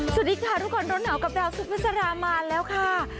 สวัสดีค่ะทุกคนโรนหนาวกับเราซุประสารามาแล้วค่ะ